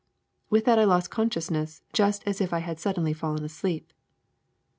With that I lost consciousness just as if I had suddenly fallen asleep.